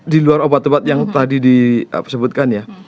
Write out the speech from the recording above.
di luar obat obat yang tadi disebutkan ya